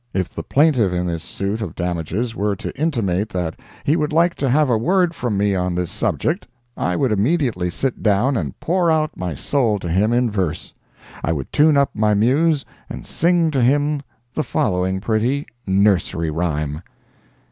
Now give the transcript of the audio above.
If the plaintiff in this suit of damages were to intimate that he would like to have a word from me on this subject, I would immediately sit down and pour out my soul to him in verse. I would tune up my muse and sing to him the following pretty NURSERY RHYME.